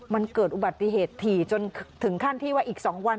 มันเกิดอุบัติเหตุถี่จนถึงขั้นที่ว่าอีก๒วัน